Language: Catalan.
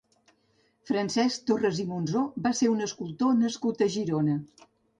Francesc Torres i Monsó va ser un escultor nascut a Girona.